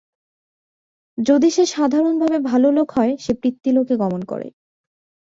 যদি সে সাধারণভাবে ভাল লোক হয়, সে পিতৃলোকে গমন করে।